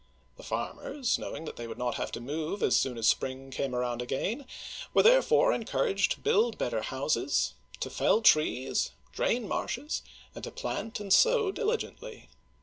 The farmers, knowing they would not have to move as soon as spring came around again, were therefore en couraged to build better houses, to fell trees, drain marshes, and to plant and sow diligently.